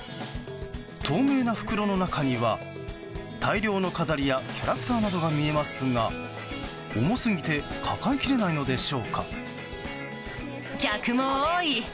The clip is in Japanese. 透明な袋の中には、大量の飾りやキャラクターなどが見えますが重すぎて抱えきれないのでしょうか。